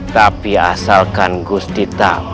tapi asalkan gusti tak